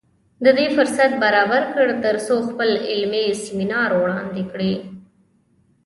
د دې فرصت برابر کړ تر څو خپل علمي سیمینار وړاندې کړي